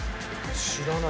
知らない。